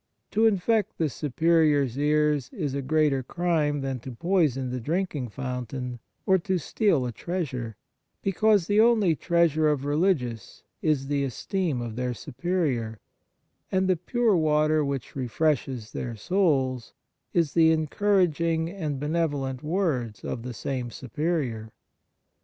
To infect the Superior s ears is a greater crime than to poison the drinking fountain or to steal a treasure, because the only treasure of religious is the esteem of their Superior, and the pure water which refreshes their souls is the en couraging and benevolent words of the same Superior.